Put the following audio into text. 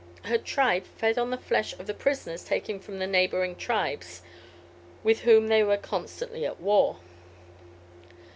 Her tribe fed on the flesh of the prisoners taken from the neighboring tribes, with whom they were constantly at war.